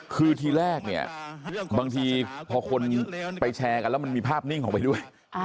คือทีแรกเนี่ยบางทีพอคนไปแชร์กันแล้วมันมีภาพนิ่งออกไปด้วย